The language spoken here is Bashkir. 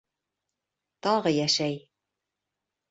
Тағы йәшәй.